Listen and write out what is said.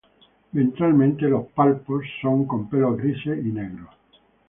Ventralmente los palpos son con pelos grises y negros.